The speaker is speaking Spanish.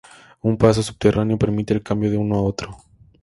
Un paso subterráneo permite el cambio de uno a otro.